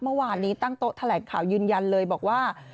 เมื่อวานนี้ตั้งโต๊ะแถลงข่าวยืนยันเลยบอกว่า